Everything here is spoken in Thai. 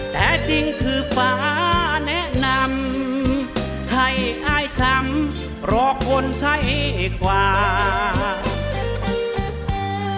แต่จริงคือฟ้าแนะนำให้อายช้ำรอคนใช้กว่า